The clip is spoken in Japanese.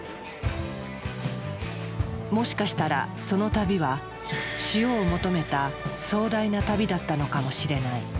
もしかしたらその旅は塩を求めた壮大な旅だったのかもしれない。